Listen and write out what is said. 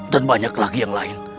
dan banyak lagi yang lain